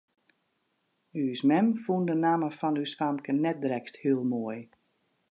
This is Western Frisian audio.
Us mem fûn de namme fan ús famke net drekst hiel moai.